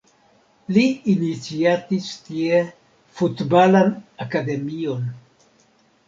Li iniciatis tie Futbalan Akademion.